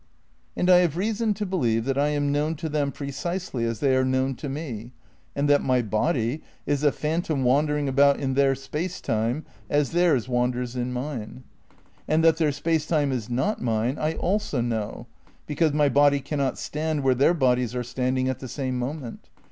And I have reason to believe that I am known to them precisely as they are known to me, and that my body is a phantom wandering about in their space time as theirs wanders in mine. And that their space time is not mine I also know because my body cannot stand where their bodies are standing at the same moment.